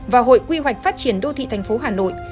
và hội quy hoạch phát triển đô thị tp hà nội